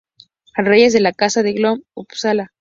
Reyes de la Casa de Gamla Uppsala.